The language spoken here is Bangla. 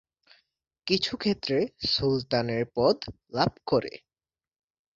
কিছু ক্ষেত্রে সুলতানের পদ লাভ করে।